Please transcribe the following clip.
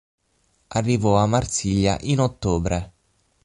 Arrivò a Marsiglia in ottobre.